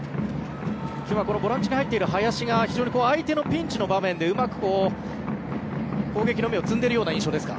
今日はボランチに入っている林が非常に相手のピンチの場面でうまく攻撃の芽を摘んでいるような印象ですか。